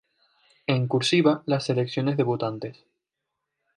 En "cursiva" las selecciones debutantes.